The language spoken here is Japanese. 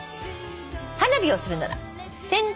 「花火をするなら」